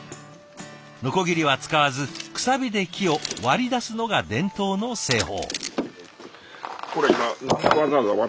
のこぎりは使わずくさびで木を割り出すのが伝統の製法。